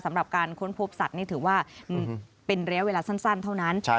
สำหรับการค้นพบสัตว์นี่ถือว่าเป็นระยะเวลาสั้นเท่านั้น